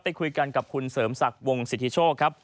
ไปคุยกันกับคุณเสริมศักดิ์วงสิทธิโชคครับ